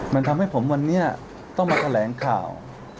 มันทำให้ผมวันนี้ต้องมาแถลงข่าว